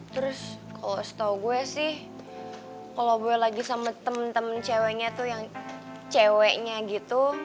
terus kalo setau gue sih kalo boy lagi sama temen temen ceweknya tuh yang ceweknya gitu